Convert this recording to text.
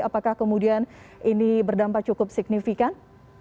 apakah kemudian ini berdampak cukup signifikan